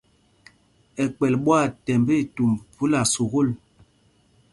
Ɛkpɛl ɓwaathɛmb itumb phúla sukûl.